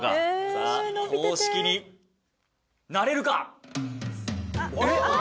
「さあ公式になれるか？」